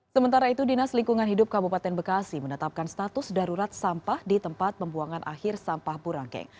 sementara itu dinas lingkungan hidup kabupaten bekasi menetapkan status darurat sampah di tempat pembuangan akhir sampah burangkeng